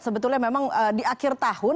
sebetulnya memang di akhir tahun